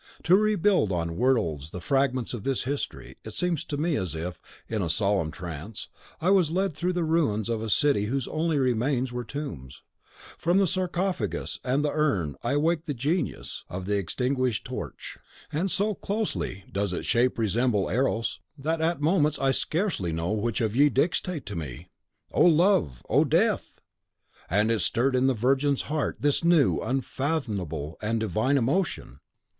To rebuild on words the fragments of this history, it seems to me as if, in a solemn trance, I was led through the ruins of a city whose only remains were tombs. From the sarcophagus and the urn I awake the genius (The Greek Genius of Death.) of the extinguished Torch, and so closely does its shape resemble Eros, that at moments I scarcely know which of ye dictates to me, O Love! O Death! And it stirred in the virgin's heart, this new, unfathomable, and divine emotion!